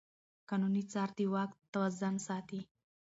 قانوني څار د واک توازن ساتي.